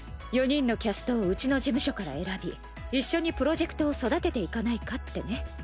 ４人のキャストをうちの事務所から選び一緒にプロジェクトを育てていかないかってね。